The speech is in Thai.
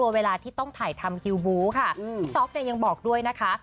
เวลาที่ต้องถ่ายทำคิวบู๊ค่ะพี่ต๊อกเนี่ยยังบอกด้วยนะคะ